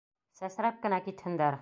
Сәсрәп кенә китһендәр!